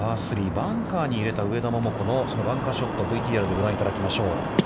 バンカーに入れた上田桃子のそのバンカーショットＶＴＲでご覧いただきましょう。